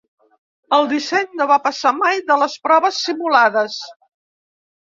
El disseny no va passar mai de les proves simulades.